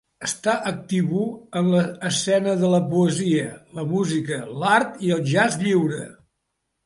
Està activo en l'escena de la poesia, la música, l'art i el jazz lliure.